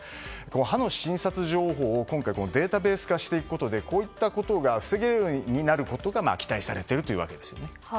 歯の診察情報を今回データベース化していくことでこういったことが防げるようになることが期待されているわけですね。